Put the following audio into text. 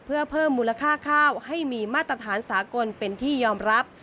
เพื่อเพิ่มมูลค่าข้าวให้มีมาตรฐานสากลเป็นที่ยอมรับ